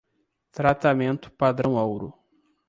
Tratamento padrão-ouro